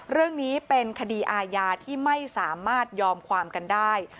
เรื่องนี้เป็นคดีอาญาที่ไม่สามารถยอมความกันได้